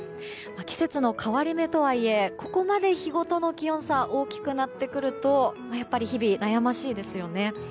季節の変わり目とはいえここまで、日ごとの気温差が大きくなってくるとやっぱり日々、悩ましいですよね。